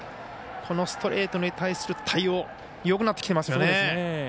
このストレートに対する対応よくなってきてますよね。